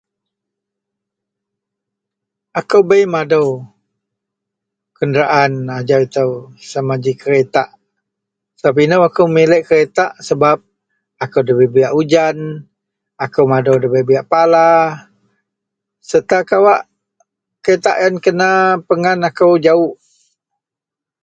Akou bei madou kenderaan ajau itou sama ji keritak. Sebap inou akou memilek keritak sebap akou debei buyak ujan, akou madou debei buyak pala serta kawak keritak yen kena pengan akou jawuk.